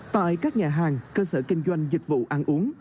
tại các nhà hàng cơ sở kinh doanh dịch vụ ăn uống